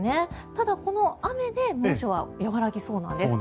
ただ、この雨で猛暑は和らぎそうなんです。